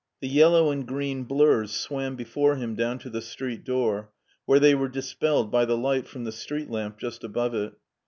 The yellow and green blurs swam before him down to the street door, where they were dispelled by the light from the street lamp just above it.